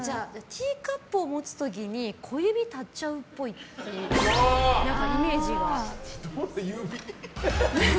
ティーカップを持つ時に小指立っちゃうっぽいという指が。